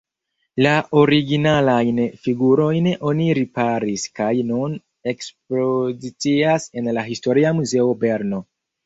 La originalajn figurojn oni riparis kaj nun ekspozicias en la historia muzeo Berno.